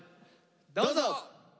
どうぞ。